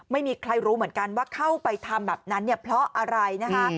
ไม่มีใครรู้เหมือนกันว่าเข้าไปทำแบบนั้นเนี่ยเพราะอะไรนะคะ